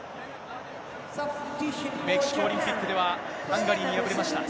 メキシコオリンピックでは、ハンガリーに破れました。